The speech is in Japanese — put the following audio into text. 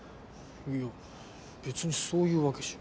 いや別にそういうわけじゃ。